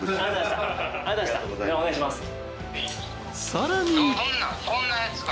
［さらに］